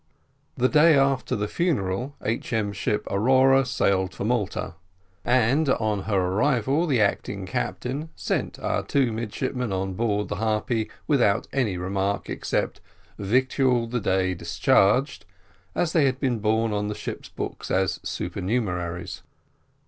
The day after the funeral, H.M. ship Aurora sailed for Malta, and on her arrival the acting captain sent our two midshipmen on board the Harpy without any remark, except "victualled the day discharged," as they had been borne on the ship's books as supernumeraries.